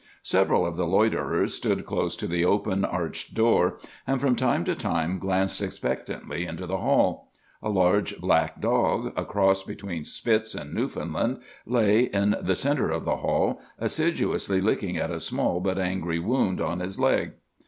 Several of the loiterers stood close to the open, arched door, and from time to time glanced expectantly into the hall. A large black dog, a cross between Spitz and Newfoundland, lay in the centre of the hall, assiduously licking at a small but angry wound on his leg.